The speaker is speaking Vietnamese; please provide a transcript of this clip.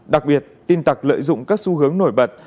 đặc biệt tin tặc lợi dụng các xu hướng nổi bật